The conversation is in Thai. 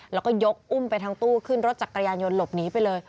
แล้วก็ยกอุ้มไปทั้งตู้ขึ้นรถจักรยานยนต์หลบหนีไปเลย